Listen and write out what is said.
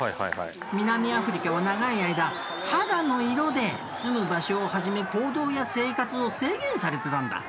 南アフリカは長い間肌の色で住む場所をはじめ行動や生活を制限されてたんだ。